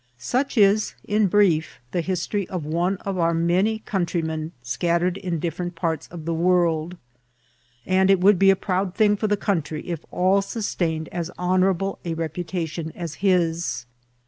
Such is, in brief, the history of one of our many countrymen scattered in different parts of the world, and it would be e proud thing for the country if eU sus tained as honourable a reputation as his.